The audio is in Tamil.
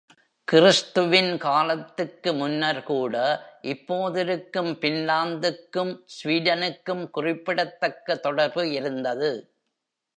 கிறிஸ்த்துவின் காலத்துக்கு முன்னர் கூட, இப்போதிருக்கும் ஃபின்லாந்துக்கும் ஸ்வீடனுக்கும் குறிப்பிடத்தக்க தொடர்பு இருந்தது.